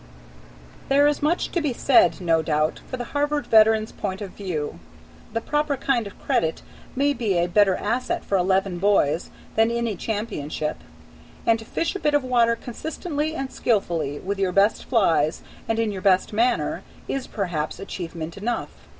There is much to be said, no doubt, for the Harvard veteran's point of view. The proper kind of credit may be a better asset for eleven boys than any championship; and to fish a bit of water consistently and skillfully, with your best flies and in your best manner, is perhaps achievement enough.